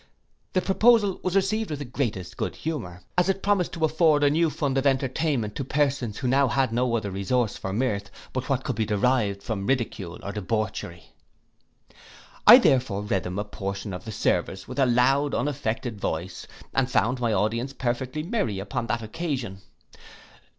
The proposal was received with the greatest good humour, as it promised to afford a new fund of entertainment to persons who had now no other resource for mirth, but what could be derived from ridicule or debauchery. I therefore read them a portion of the service with a loud unaffected voice, and found my audience perfectly merry upon the occasion.